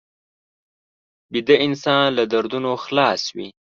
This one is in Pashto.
ویده انسان له دردونو خلاص وي